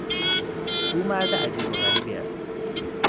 او مرد عجیب و غریبی است.